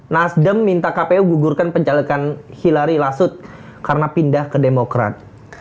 nasdem minta kpu gugurkan pencalekan hilari lasut karena pindah ke demokrat